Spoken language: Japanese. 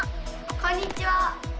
こんにちは！